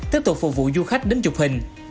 tiếp tục phục vụ du khách đến chụp hình